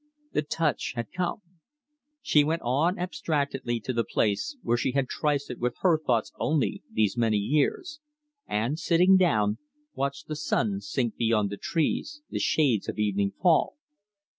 The touch had come. She went on abstractedly to the place where she had trysted with her thoughts only, these many years, and, sitting down, watched the sun sink beyond the trees, the shades of evening fall.